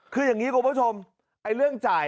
คืออย่างงี้ครับคุณผู้ชมเรื่องจ่าย